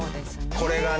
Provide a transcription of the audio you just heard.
これがね。